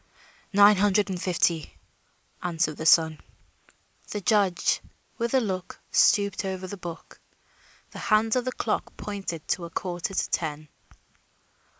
"Nine hundred and fifty," answered the son. The judge, with a last look, stooped over the book. The hands of the clock pointed to a quarter to ten.